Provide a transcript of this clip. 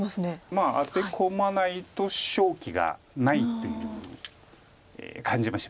まあアテ込まないと勝機がないという感じもしますけれども。